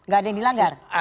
gak ada yang dilanggar